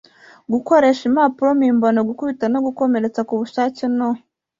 gukoresha impapuro mpimbano, gukubita no gukomeretsa ku bushake no